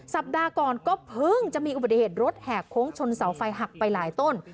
สัปดาห์ก่อนก็เพิ่งจะมีอุบัติเหตุรถแหกโค้งชนเสาไฟหักไปหลายต้น